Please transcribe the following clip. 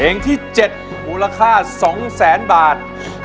เพลงที่๗มูลค่า๒แสนบาท